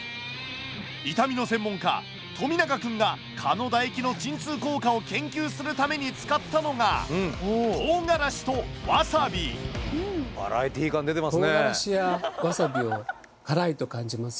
痛みの専門家富永くんが蚊の唾液の鎮痛効果を研究するために使ったのがバラエティー感出てますね。